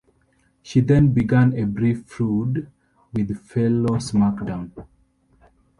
She then began a brief feud with fellow SmackDown!